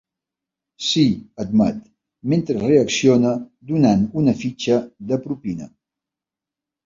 Sí —admet, mentre reacciona donant una fitxa de propina.